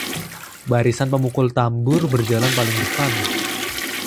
barisan pemukul tambur berjalan paling depan